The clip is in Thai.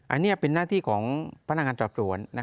อันนี้เป็นหน้าที่ของพนักงานสอบสวน